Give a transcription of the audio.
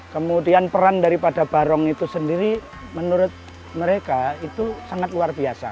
kemudian peran daripada barong itu sendiri menurut mereka itu sangat luar biasa